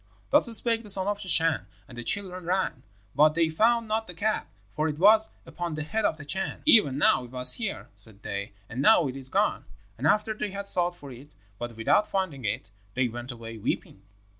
"Thus spoke the son of the Chan; and the children ran, but they found not the cap, for it was upon the head of the Chan. 'Even now it was here,' said they, 'and now it is gone.' And after they had sought for it, but without finding it, they went away weeping.